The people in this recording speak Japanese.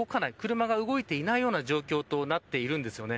車が動いていないような状況となっているんですよね。